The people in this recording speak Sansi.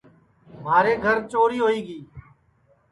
مھارے گھر چوری ہوئی گی